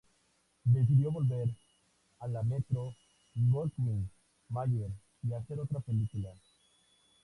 Decidió volver a la Metro-Goldwyn-Mayer y hacer otra película.